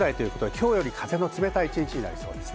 今日より風の冷たい一日になりそうです。